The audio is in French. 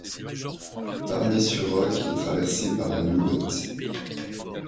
Parné-sur-Roc est traversé par l'Ouette.